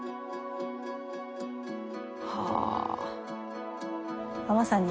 はあ。